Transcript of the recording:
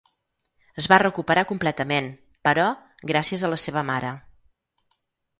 Es va recuperar completament, però, gràcies a la seva mare.